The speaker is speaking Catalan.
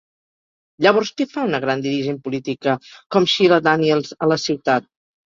Llavors què fa una gran dirigent política com Shiela Daniels a la ciutat?